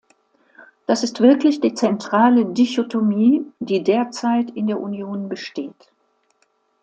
Das ist wirklich die zentrale Dichotomie, die derzeit in der Union besteht.